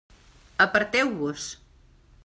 Aparteu-vos!